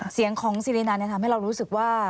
เสียงของซีรีนันทำให้เรารู้สึกว่า